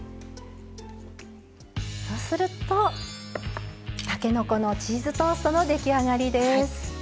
そうするとたけのこのチーズトーストの出来上がりです。